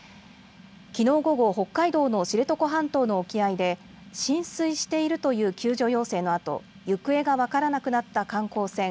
きのう午後、北海道の知床半島の沖合で浸水しているという救助要請のあと行方が分からなくなった観光船